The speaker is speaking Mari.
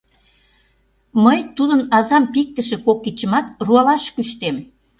Мый тудын азам пиктыше кок кидшымат руалаш кӱштем!